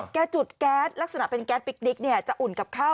จุดแก๊สลักษณะเป็นแก๊สปิ๊กนิกจะอุ่นกับข้าว